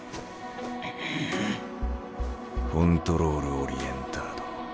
コントロールオリエンタード。